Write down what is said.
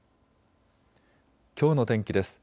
きょうの天気です。